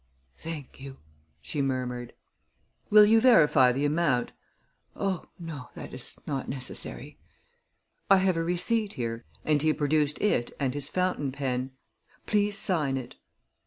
"Thank you," she murmured. "Will you verify the amount?" "Oh, no; that is not necessary." "I have a receipt here," and he produced it and his fountain pen. "Please sign it."